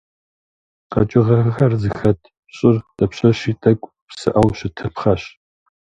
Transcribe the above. Къэкӏыгъэхэр зыхэт щӏыр дапщэщи тӏэкӏу псыӏэу щытыпхъэщ.